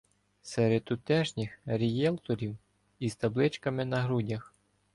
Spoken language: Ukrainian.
Серед тутешніх «рієлторів» із табличками на грудях